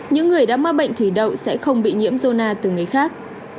những người đã mắc bệnh thủy đậu sẽ không bị nhiễm zona từ người khác